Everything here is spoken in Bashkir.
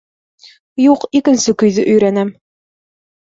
— Юҡ, икенсе көйҙө өйрәнәм.